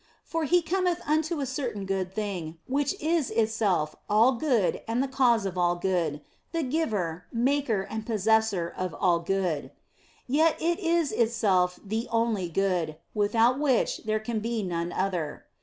For he cometh unto a certain good thing, which is itself all good and the cause of all good, the giver, maker, and possessor of all good ; yet it is itself the only good, without which there can be none other.